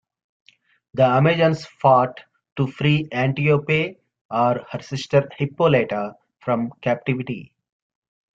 The Amazons fought to free Antiope or her sister Hippolyta from captivity.